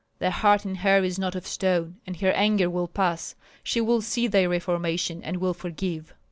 The heart in her is not of stone, and her anger will pass; she will see thy reformation and will forgive.'